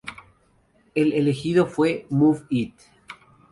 El elegido fue "Move It!